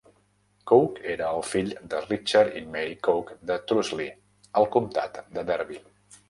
Coke era el fill de Richard y Mary Coke de Trusley, al comtat de Derby.